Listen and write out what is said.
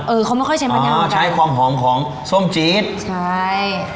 เออเขาไม่ค่อยใช้มะนาวเหมือนกันอ๋อใช้ของของส้มจี๊ดใช่